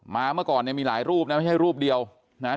เมื่อก่อนเนี่ยมีหลายรูปนะไม่ใช่รูปเดียวนะฮะ